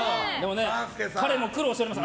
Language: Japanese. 彼も苦労しております。